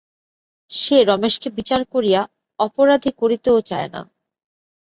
সে রমেশকে বিচার করিয়া অপরাধী করিতেও চায় না।